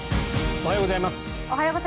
おはようございます。